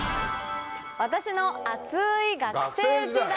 「私の熱い学生時代」。